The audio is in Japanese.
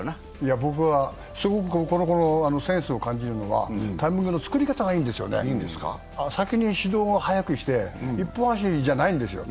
僕は、すごくのこの子のセンスを感じるのは、タイミングの作り方がいいんですよ、先に始動を早くして、一本足じゃないんですよ。